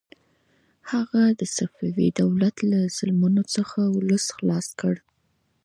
هغه د صفوي دولت له ظلمونو څخه ولس خلاص کړ.